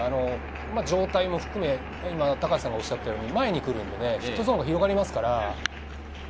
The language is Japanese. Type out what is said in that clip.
状態も含め、今、高橋さんが言ったように前に来るのでヒットゾーンが広がりますから。